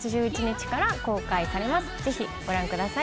ぜひご覧ください。